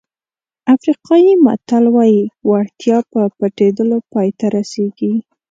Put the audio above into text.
افریقایي متل وایي وړتیا په پټېدلو پای ته رسېږي.